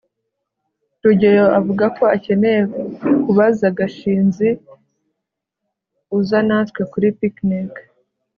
rugeyo avuga ko akeneye kubaza gashinzi uza natwe kuri picnic